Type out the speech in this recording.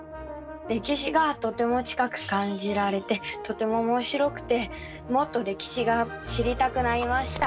歴史がとても近く感じられてとてもおもしろくてもっと歴史が知りたくなりました。